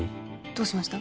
どうしました？